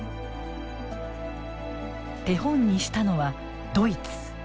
手本にしたのはドイツ。